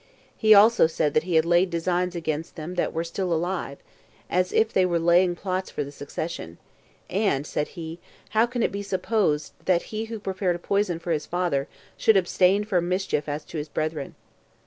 He also said that he had laid designs against them that were still alive, as if they were laying plots for the succession; and [said he] how can it be supposed that he who prepared poison for his father should abstain from mischief as to his brethren?